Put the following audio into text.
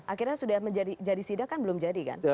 akhirnya sudah menjadi sidak kan belum jadi kan